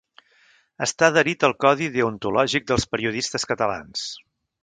Està adherit al Codi Deontològic dels Periodistes Catalans.